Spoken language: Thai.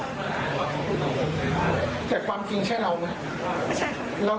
เราเขียนคลิปแล้วเราปฏิเสธตั้งแต่ต้นเลยหรือว่า